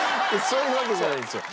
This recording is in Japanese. そういうわけじゃないんですよ。